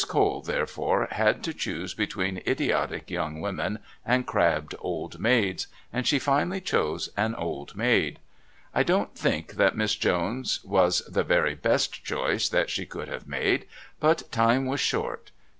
Cole, therefore, had to choose between idiotic young women and crabbed old maids, and she finally chose an old maid. I don't think that Miss Jones was the very best choice that she could have made, but time was short.